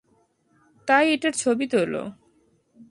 তাই এটার ছবি তোলো।